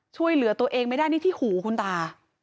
ช่วยเหลือตัวเองไม่ได้นี่ที่หูคุณตา